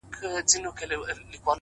هوډ د وېرې بندونه ماتوي’